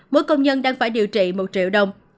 mỗi công nhân đang phải điều trị một triệu đồng